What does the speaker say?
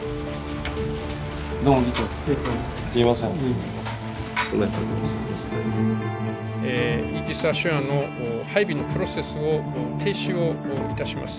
イージス・アショアの配備のプロセスを停止をいたします。